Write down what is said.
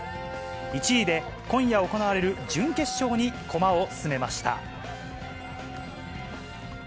１位で今夜行われる準決勝に駒を進めました。